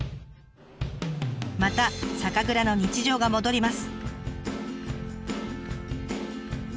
また酒蔵の日常が戻ります。